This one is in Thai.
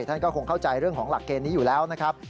ท่านก็คงเข้าใจเรื่องของหลักเกณฑ์นี้อยู่แล้วนะครับ